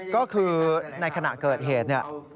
ก็คือในขณะเกิดเหตุ